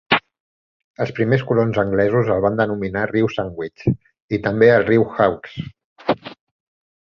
Els primers colons anglesos el van denominar "riu Sandwich" i també el "riu Hawkes".